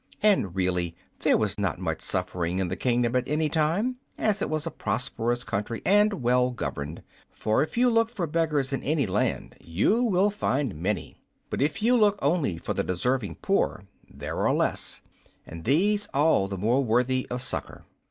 And really there was not much suffering in the kingdom at any time, as it was a prosperous country and well governed; for, if you look for beggars in any land you will find many, but if you look only for the deserving poor there are less, and these all the more worthy of succor.